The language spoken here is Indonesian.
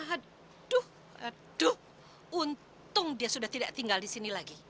aduh aduh untung dia sudah tidak tinggal di sini lagi